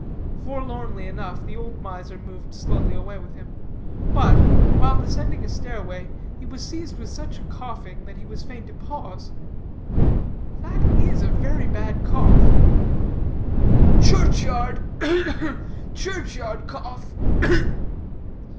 Forlornly enough the old miser moved slowly away with him. But, while descending a stairway, he was seized with such coughing that he was fain to pause. "That is a very bad cough." "Church yard ugh, ugh! church yard cough. Ugh!"